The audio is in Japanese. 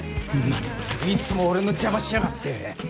まったくいつも俺の邪魔しやがって。